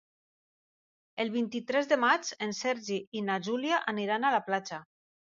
El vint-i-tres de maig en Sergi i na Júlia aniran a la platja.